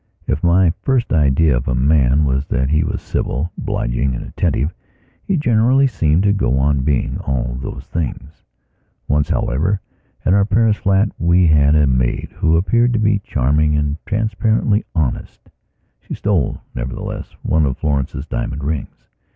If my first idea of a man was that he was civil, obliging, and attentive, he generally seemed to go on being all those things. Once, however, at our Paris flat we had a maid who appeared to be charming and transparently honest. She stole, nevertheless, one of Florence's diamond rings.